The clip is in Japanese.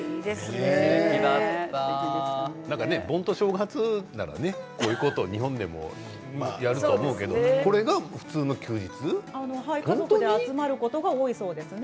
盆と正月ならこういうこと日本でもやると思うけど家族で集まることが多いそうですね。